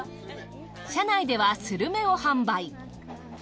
車内ではスルメを販売。